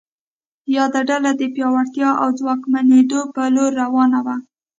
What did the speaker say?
یاده ډله د پیاوړتیا او ځواکمنېدو په لور روانه وه.